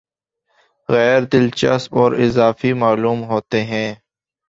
غیر دلچسپ اور اضافی معلوم ہوتے ہیں